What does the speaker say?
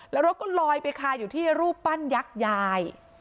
แล้วรถก็ลอยไปคาอยู่ที่รูปปั้นยักษ์ยาย